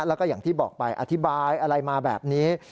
แล้วก็อย่างที่บอกไปอธิบายอะไรมาแบบนี้